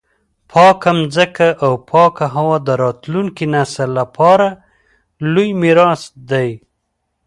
پاکه مځکه او پاکه هوا د راتلونکي نسل لپاره لوی میراث دی.